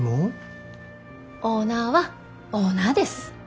オーナーはオーナーです。